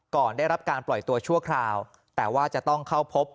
ก่อนได้รับการปล่อยตัวชั่วคราวแต่ว่าจะต้องเข้าพบ